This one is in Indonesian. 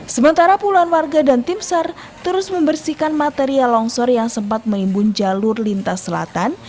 sementara puluhan warga dan tim sar terus membersihkan material longsor yang sempat menimbun jalur lintas selatan